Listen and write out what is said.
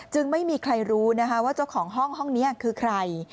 จึงไม่มีใครรู้ว่าเจ้าของห้องนี้คือใคร